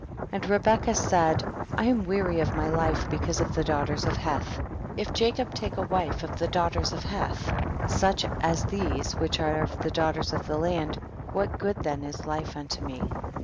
16. And Rebecca said, I am 82 THE BOOK OF JASHER. weary of my life because of the daughters of Heth ; if Jacob take a wife of the daughters of Heth, such as these which are of the daughters of the land, what good then is life unto me